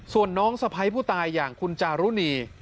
ส่วนน้องสะพ้ายผู้ตายอย่างคุณจารุณี